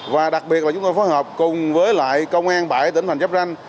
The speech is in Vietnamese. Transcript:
và đặc biệt là chúng tôi phối hợp cùng với lại công an bãi tỉnh thành chấp ranh